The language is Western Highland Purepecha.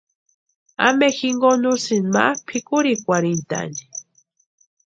¿Ampe jinkoni úsïni ma pʼikurhikwarhintani?